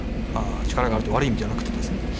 力があるって悪い意味じゃなくてですね。